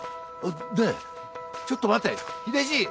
ねえちょっと待って秀じい！